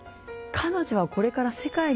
彼女はこれから。